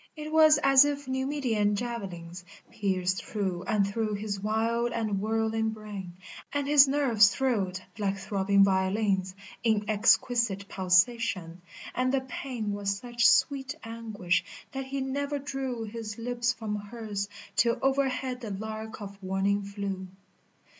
It was as if Numidian javelins Pierced through and through his wild and whirling brain, And his nerves thrilled like throbbing violins In exquisite pulsation, and the pain Was such sweet anguish that he never drew His lips from hers till overheard the lark of warning flew.